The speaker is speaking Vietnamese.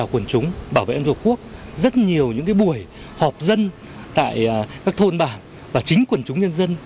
phong trào quần chúng bảo vệ ấn độ quốc rất nhiều những buổi họp dân tại các thôn bảng và chính quần chúng nhân dân